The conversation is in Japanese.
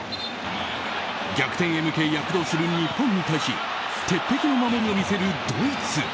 逆転へ向け躍動する日本に対し鉄壁の守りを見せるドイツ。